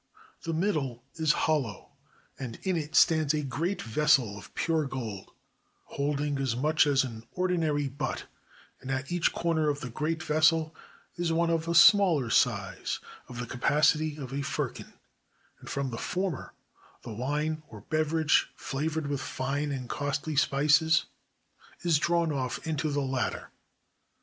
105 CHINA The middle is hollow, and in it stands a great vessel of pure gold, holding as much as an ordinary butt; and at each corner of the great vessel is one of smaller size, of the capacity of a firkin, and from the former the wine or beverage flavored with fine and costly spices is drawn off into the latter.